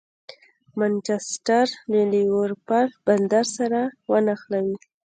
مانچسټر له لېورپول بندر سره ونښلوي.